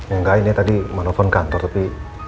enggak ini tadi manu telefon kantor tapi